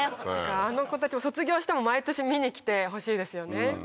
あの子たちも卒業しても毎年見に来てほしいですよね。